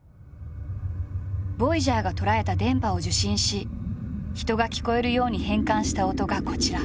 ボイジャーがとらえた電波を受信し人が聞こえるように変換した音がこちら。